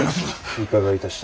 いかがいたした？